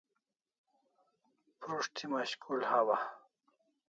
Prus't thi mashkul hawa